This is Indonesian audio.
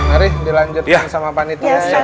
mari dilanjutkan sama panitia